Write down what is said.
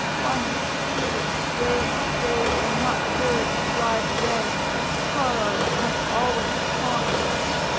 Why his fevered day by day Will not serve to drive away Horror that must always haunt